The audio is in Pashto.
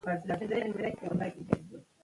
سنگ مرمر د افغانستان د جغرافیایي موقیعت پایله ده.